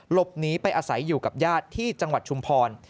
หลบหนีไปอาศัยอยู่กับญาติที่จังหวัดชุมพร